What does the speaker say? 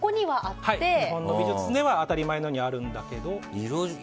日本の美術では当たり前にあるんだけど。